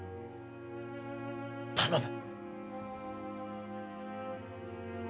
頼む！